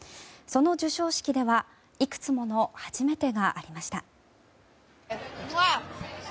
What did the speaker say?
その授賞式ではいくつもの初めてがありました。